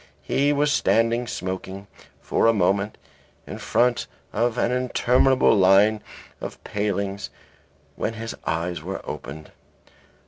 He was standing smoking, for a moment, in the front of an interminable line of palings, when his eyes were opened.